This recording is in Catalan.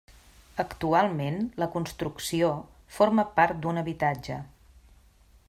Actualment la construcció forma part d'un habitatge.